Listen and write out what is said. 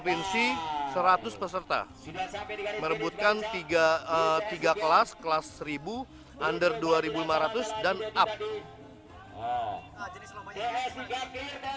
kondisi seratus peserta merebutkan tiga kelas kelas seribu cc kelas di bawah dua ribu lima ratus cc dan di atasnya